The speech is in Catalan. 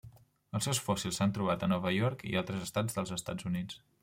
Els seus fòssils s'han trobat a Nova York i en altres estats dels Estats Units.